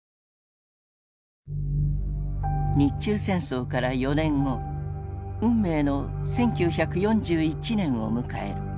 日中戦争から４年後運命の１９４１年を迎える。